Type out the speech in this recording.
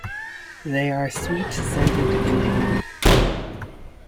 They are sweet scented indeed.